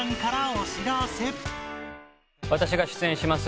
私が出演します